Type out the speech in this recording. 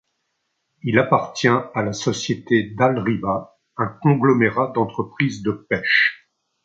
Il appartient à la société Dalryba, un conglomérat d'entreprises de pêche.